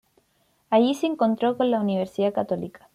Allí se encontró con la Universidad Católica.